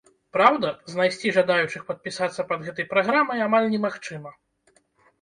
Праўда, знайсці жадаючых падпісацца пад гэтай праграмай амаль немагчыма.